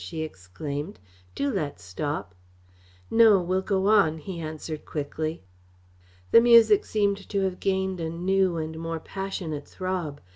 she exclaimed. "Do let's stop." "No, we'll go on," he answered quickly. The music seemed to have gained a new and more passionate throb.